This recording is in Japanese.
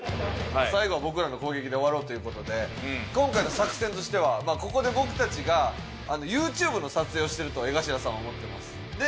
最後は僕らの攻撃で終わろうという事で今回の作戦としてはここで僕たちがＹｏｕＴｕｂｅの撮影をしてると江頭さんは思ってます。